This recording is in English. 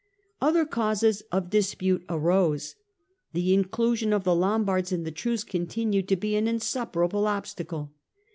Other causes of dispute arose. The inclusion of the Lombards in the truce continued to be an insuperable obstacle.